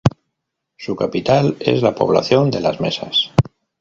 Su capital es la población de Las Mesas.